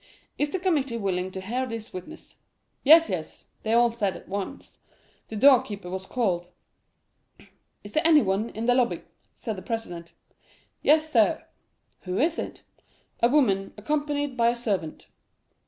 'Is the committee willing to hear this witness?'—'Yes, yes,' they all said at once. The door keeper was called. 'Is there anyone in the lobby?' said the president. "'Yes, sir.'—'Who is it?'—'A woman, accompanied by a servant.